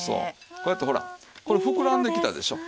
こうやってほらこれ膨らんできたでしょう。